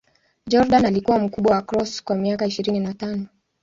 Jordan alikuwa mkubwa wa Cross kwa miaka ishirini na tano.